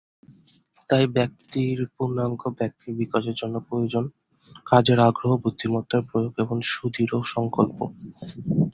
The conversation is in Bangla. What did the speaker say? তাই ব্যক্তির পূর্ণাঙ্গ ব্যক্তিত্ব বিকাশের জন্য প্রয়োজন কাজের আগ্রহ, বুদ্ধিমত্তার প্রয়োগ, সুদৃঢ় সংকল্প।